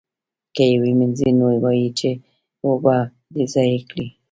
که یې ومینځي نو وایي یې چې اوبه دې ضایع کړې.